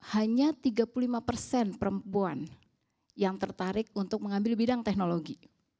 hanya tiga puluh lima persen perempuan yang tertarik untuk mengambil bidang teknologi